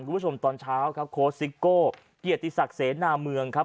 คุณผู้ชมตอนเช้าครับโค้ดซิกโก้เกียรติศักดิ์เสนอหน้าเมืองครับ